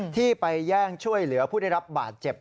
ที่ไปแย่งช่วยเหลือผู้ได้รับบาดเจ็บ